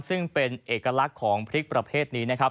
ซึ่งเป็นเอกลักษณ์ของพริกประเภทนี้นะครับ